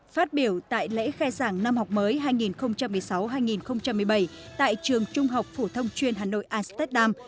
phát biểu tại lễ khai giảng năm học mới hai nghìn một mươi sáu hai nghìn một mươi bảy tại trường trung học phổ thông chuyên hà nội amsterdam